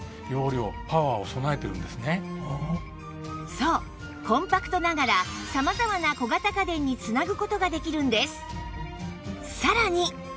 そうコンパクトながら様々な小型家電に繋ぐ事ができるんです